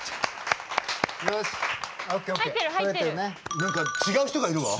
何か違う人がいるわ。